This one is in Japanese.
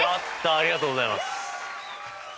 ありがとうございます。